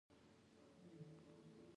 ښامار هغه ښځه او اوښ خوري.